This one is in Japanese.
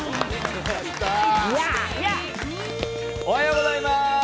おはようございます。